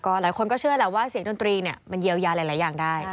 หลายคนก็เชื่อแหละว่าเสียงดนตรีเนี่ยมันเยียวยาหลายอย่างได้